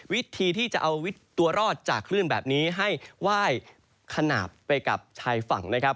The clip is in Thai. วิธีที่จะเอาตัวรอดจากคลื่นแบบนี้ให้ไหว้ขนาดไปกับชายฝั่งนะครับ